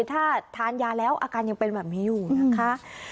ถ้าทานยาแล้วอาการยังเป็นแบบนี้อยู่นะคะ